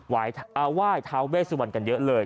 ว่ายทาวเวสาวร์กันเยอะเลย